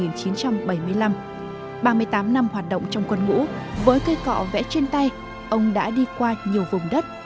ba mươi tám năm hoạt động trong quân ngũ với cây cọ vẽ trên tay ông đã đi qua nhiều vùng đất